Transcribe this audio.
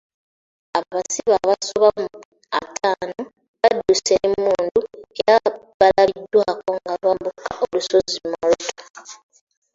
Abasibe abasoba mu attaano badduse n'emmundu era balabiddwako nga bambuka olusozi Moroto.